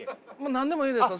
何でもいいですよ。